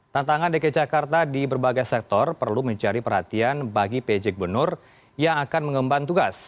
tantangan dki jakarta di berbagai sektor perlu menjadi perhatian bagi pj gubernur yang akan mengemban tugas